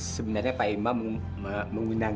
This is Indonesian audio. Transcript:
sebenarnya pak imam mengundang